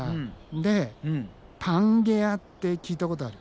でパンゲアって聞いたことある？